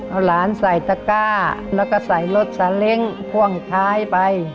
เอาหลานใส่ตะก้าแล้วก็ใส่รถสาเล้งพ่วงท้ายไป